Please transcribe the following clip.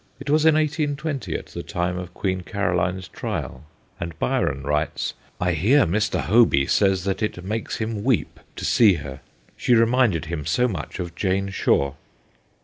It was in 1820, at the time of Queen Caroline's trial, and Byron writes :' I hear Mr. Hoby says that it makes him weep to see her she reminded him so much of Jane Shore.'